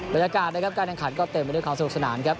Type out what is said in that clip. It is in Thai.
บรรยากาศนะครับการแข่งขันก็เต็มไปด้วยของสถานีโทรทัศน์ครับ